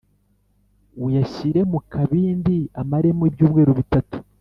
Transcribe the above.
uyashyire mu kabindi, amaremo ibyumweru bitatu